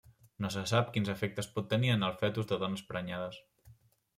No se sap quins efectes pot tenir en el fetus de dones prenyades.